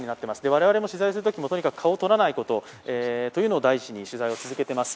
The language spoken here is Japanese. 我々も取材するときもとにかく顔を撮らないということを第一に取材を続けています。